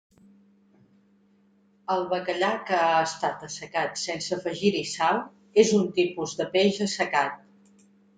El bacallà que ha estat assecat sense afegir-hi sal és un tipus de peix assecat.